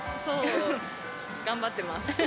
頑張ってます。